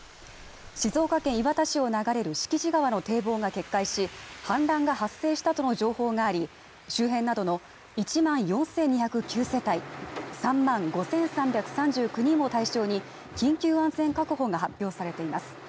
静岡県磐田市を流れる敷地川の堤防が決壊し、氾濫が発生したとの情報があり、周辺などの１万４２０９世帯３万５３３９人を対象に緊急安全確保が発表されています。